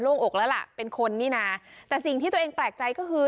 อกแล้วล่ะเป็นคนนี่นะแต่สิ่งที่ตัวเองแปลกใจก็คือ